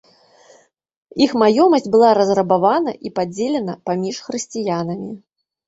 Іх маёмасць была разрабавана і падзелена паміж хрысціянамі.